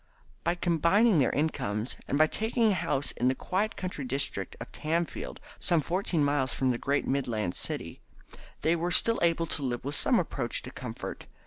By combining their incomes, and by taking a house in the quiet country district of Tamfield, some fourteen miles from the great Midland city, they were still able to live with some approach to comfort.